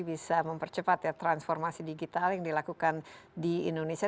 bisa mempercepat ya transformasi digital yang dilakukan di indonesia